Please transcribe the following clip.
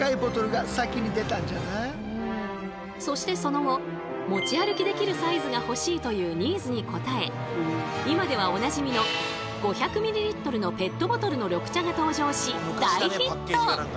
そしてその後「持ち歩きできるサイズがほしい」というニーズに応え今ではおなじみの５００ｍのペットボトルの緑茶が登場し大ヒット！